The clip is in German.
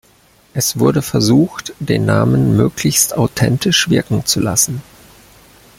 Es wurde versucht, den Namen möglichst authentisch wirken zu lassen.